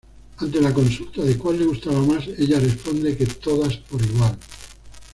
Ante la consulta de cual le gustaba más, ella responde que todas por igual.